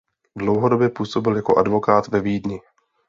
Dlouhodobě působil jako advokát ve Vídni.